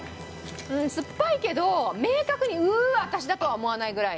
うんすっぱいけど明確に「うう私だ」とは思わないぐらい。